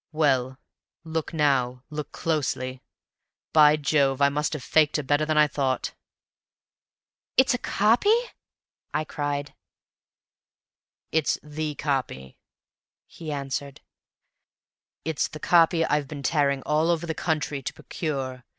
"Well, look now look closely. By Jove, I must have faked her better than I thought!" "It's a copy!" I cried. "It's THE copy," he answered. "It's the copy I've been tearing all over the country to procure.